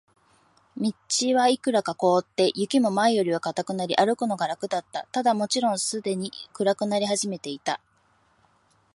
道はいくらか凍って、雪も前よりは固くなり、歩くのが楽だった。ただ、もちろんすでに暗くなり始めていた。